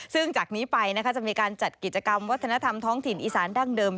ซึ่งจากนี้ไปจะมีการจัดกิจกรรมวัฒนธรรมท้องถิ่นอีสานดั้งเดิม